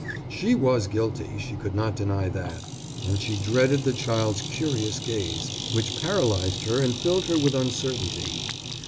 She was guilty, she could not deny that, and she dreaded the child's curious gaze, which paralyzed her and filled her with uncertainty.